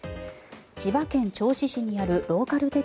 千葉県銚子市にあるローカル